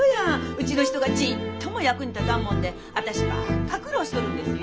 うちの人がちっとも役に立たんもんで私ばっか苦労しとるんですよ。